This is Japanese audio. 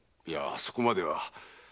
いやそこまでは。